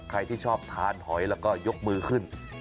ใครที่ชอบทานหอยแล้วก็ยกมือขึ้น